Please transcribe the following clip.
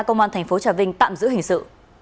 công an tp hcm tạm giữ hình sự